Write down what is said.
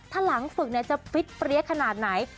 ถ้าหลังฝึกจะฟิตเปรี้ยขนาดไหน